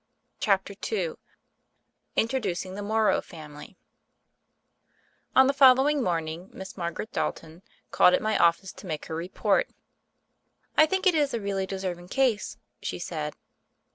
CHAPTER II INTRODUCING THE MORROW FAMILY ON THE following morning Miss Margaret Dalton called at my office to mal^e her report. "I think it is a really deserving case," she said.